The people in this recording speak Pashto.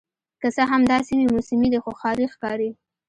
که څه هم دا سیمې موسمي دي خو ښاري ښکاري